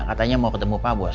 katanya mau ketemu pak bos